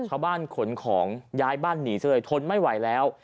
ขนของย้ายบ้านหนีซะเลยทนไม่ไหวแล้ว